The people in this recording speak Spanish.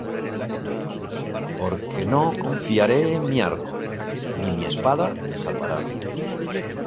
Porque no confiaré en mi arco, Ni mi espada me salvará.